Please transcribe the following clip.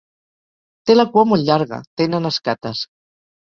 Té la cua molt llarga, tenen escates.